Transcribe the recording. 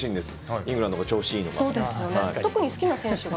イングランドが調子いいのが。